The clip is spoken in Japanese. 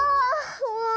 もう！